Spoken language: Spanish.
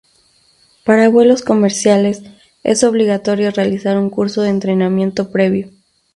Para vuelos comerciales, es obligatorio realizar un curso de entrenamiento previo.